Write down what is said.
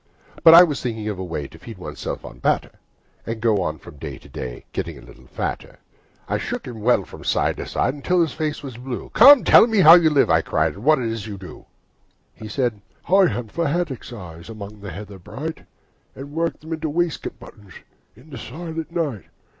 But I was thinking of a way To feed oneself on batter, And so go on from day to day ' Getting a little fatter. I shook him well from side to side, Until his face was blue: 'Come, tell me how you live,' I cried, 'And what it is you do!' He said, 'I hunt for haddocks' eyes Among the heather bright, And work them into waistcoat buttons In the silent night.